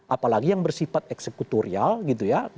apalagi yang bersifat eksekutorial gitu ya